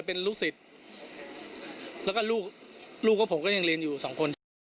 เคยเป็นลูกสิทธิ์แล้วก็ลูกกว่าผมก็ยังเรียนอยู่สองคน